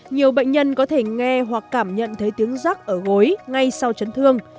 nhiều bệnh nhân có thể nghe hoặc cảm nhận thấy tiếng rắc ở gối ngay sau chấn thương